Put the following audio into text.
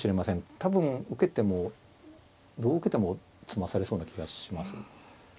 多分受けてもどう受けても詰まされそうな気がします。